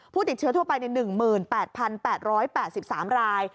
ติดเชื้อทั่วไป๑๘๘๓ราย